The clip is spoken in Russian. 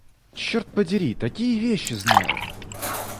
Чёрт подери! такие вещи знаю...